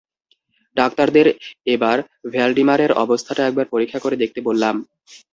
ডাক্তারদের এবার ভ্যালডিমারের অবস্থাটা একবার পরীক্ষা করে দেখতে বললাম।